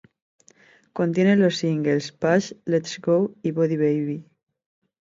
Contiene los singles Push, Let's Go y Body Baby.